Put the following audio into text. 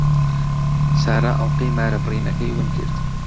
سارا ئەڵقەی مارەبڕینەکەی ون کرد.